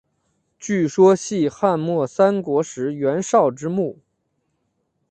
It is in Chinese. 据说系汉末三国时袁绍之墓。